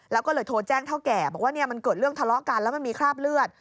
แล้วก็เลยโทรแจ้งเท่าแก่บอกว่ามันเกิดเรื่องทะเลาะกันแล้วมันมีคราบเลือด